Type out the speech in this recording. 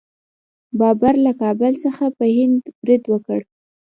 بابر له کابل څخه په هند برید وکړ.